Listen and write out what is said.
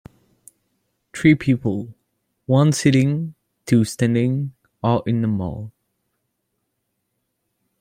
Three people, one sitting, two standing, are in a mall.